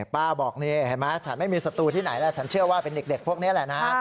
ป้าบอกนี่เห็นไหมฉันไม่มีศัตรูที่ไหนแล้วฉันเชื่อว่าเป็นเด็กพวกนี้แหละนะ